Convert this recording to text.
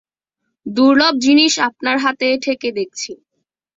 দুর্লভ জিনিস আপনার হাতে ঠেকে দেখছি!